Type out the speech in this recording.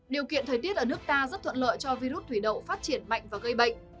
điều kiện thời tiết ở nước ta rất thuận lợi cho virus thủy đậu phát triển mạnh và gây bệnh